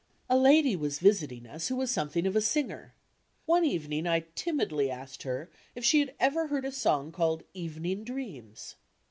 A lady was visidng us who was something of a singer. One evening I timidly asked her if she had ever heard a song called "Evening Dreams."